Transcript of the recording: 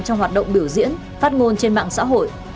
trong hoạt động biểu diễn phát ngôn trên mạng xã hội